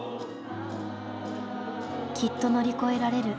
「きっと乗り越えられる」。